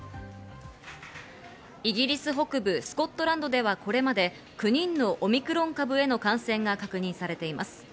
イギリス北部スコットランドではこれまで９人のオミクロン株への感染が確認されています。